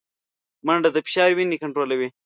منډه د فشار وینې کنټرولوي